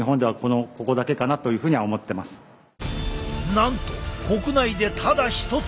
なんと国内でただ一つ！